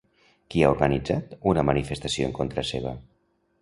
Qui ha organitzat una manifestació en contra seva?